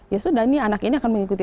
ya sudah ini anak ini akan mengikuti